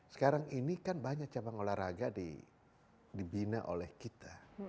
sekarang ini kan banyak cabang olahraga dibina oleh kita